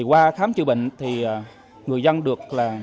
qua khám chữa bệnh người dân được